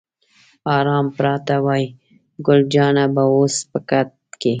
آرام پراته وای، ګل جانه به اوس په کټ کې.